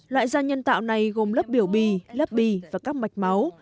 loại da nhân tạo này gồm lớp biểu bì lớp bì và các mạch máu